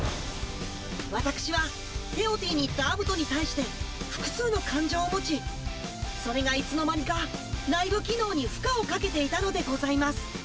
私はテオティに行ったアブトに対して複数の感情を持ちそれがいつの間にか内部機能に負荷をかけていたのでございます。